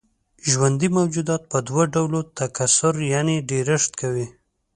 ژوندي موجودات په دوه ډوله تکثر يعنې ډېرښت کوي.